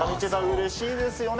うれしいですよね。